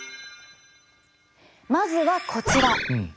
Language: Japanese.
まずはこちら。